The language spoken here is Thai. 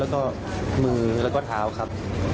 แล้วก็มือแล้วก็เท้าครับ